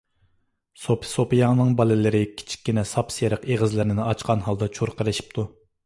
سوپىسوپىياڭنىڭ بالىلىرى كىچىككىنە ساپسېرىق ئېغىزلىرىنى ئاچقان ھالدا چۇرقىرىشىپتۇ.